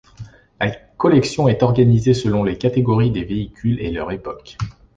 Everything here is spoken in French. La collection est organisée selon les catégories des véhicules et leur époque.